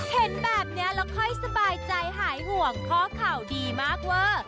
เห็นแบบนี้แล้วค่อยสบายใจหายห่วงข้อข่าวดีมากเวอร์